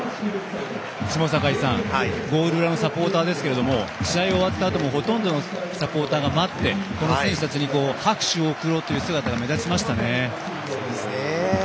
下境さんゴール裏のサポーターですが試合終わったあともほとんどのサポーターが待って選手たちに拍手を送ろうとする姿が目立ちましたね。